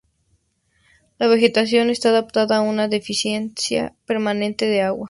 La vegetación está adaptada a una deficiencia permanente de agua.